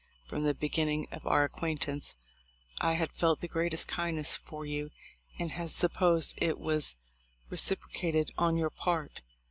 From the beginning of our acquaintance I had felt the greatest kindness for you and had sup posed it was reciprocated on your part.